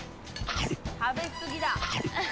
食べ過ぎだ。